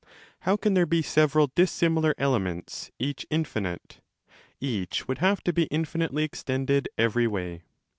How can there be several dissimilar ele ments, each infinite? Each would have to be infinitely extended every way.